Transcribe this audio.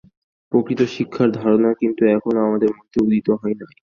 প্রকৃত শিক্ষার ধারণা কিন্তু এখনও আমাদের মধ্যে উদিত হয় নাই।